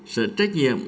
sở trách nhiệm